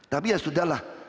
tapi ya sudah lah